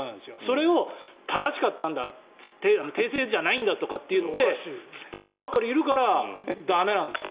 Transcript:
それを正しかったんだ訂正じゃないんだとかっていって突っ張ってばっかりいるから駄目なんですよ。